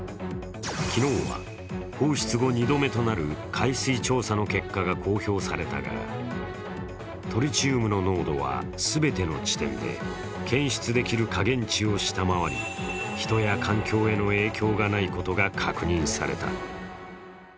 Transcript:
昨日は放出後２度目となる海水調査の結果が公表されたがトリチウムの濃度は全ての地点で検出できる下限値を下回り人や環境への影響がないことが確認された。